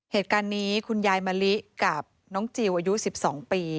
เหตุการณ์นี้คุณยายมะลิกับน้องจิลอายุ๑๒ปี